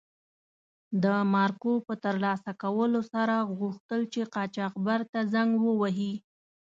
د مارکو په تر لاسه کولو سره غوښتل چې قاچاقبر ته زنګ و وهي.